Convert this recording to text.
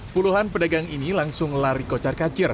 puluhan pedagang ini langsung lari kocar kacir